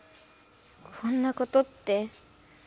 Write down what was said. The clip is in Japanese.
こんなことって。